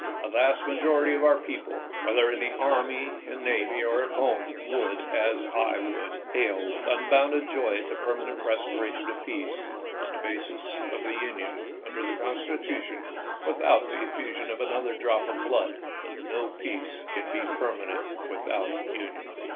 A vast majority of our people, whether in the army and navy or at home, would, as I would, hail with unbounded joy the permanent restora tion of peace, on the basis of the Union under the Con stitution without the effusion of another drop of blood. But no peace can be permanent without union.